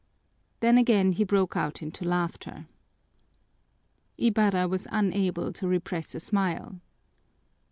Then again he broke out into laughter." Ibarra was unable to repress a smile.